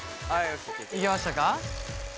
いけましたか？